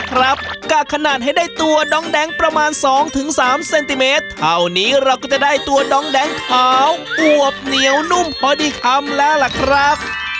กักขนาดให้ได้ตัวน้องแดงประมาณ๒๓เซนติเมตรเท่านี้เราก็จะได้ตัวน้องแดงขาวอวบเหนียวนุ่มพอดีคำแล้วล่ะครับ